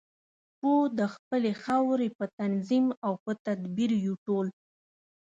پوه د خپلې خاورې په تنظیم او په تدبیر یو ټول.